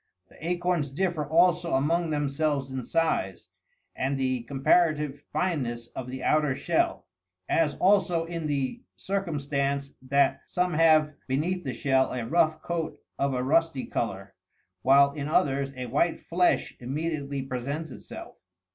The acorns differ also among themselves in size, and the comparative fineness of the outer shell ; as also in the circumstance that some have beneath the shell a rough coat of a rusty colour, while in others a white flesh immediately presents itself.